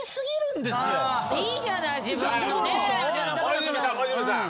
大泉さん大泉さん